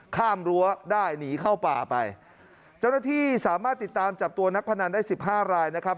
ข้ามรั้วได้หนีเข้าป่าไปเจ้าหน้าที่สามารถติดตามจับตัวนักพนันได้สิบห้ารายนะครับ